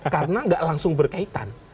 karena nggak langsung berkaitan